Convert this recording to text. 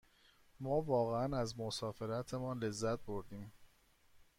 ما واقعاً از مسافرتمان لذت بردیم.